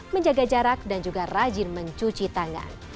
menjaga jarak dan juga rajin mencuci tangan